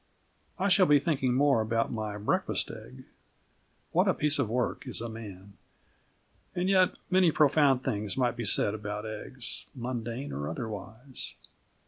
I shall be thinking more about my breakfast egg. What a piece of work is a man! And yet many profound things might be said about eggs, mundane or otherwise.